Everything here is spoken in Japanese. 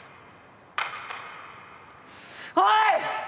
おい！！